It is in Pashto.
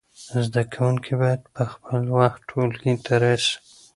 زده کوونکي باید په خپل وخت ټولګي ته راسی.